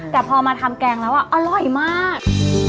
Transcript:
แต่พอมาทำแกงแล้วอร่อยมาก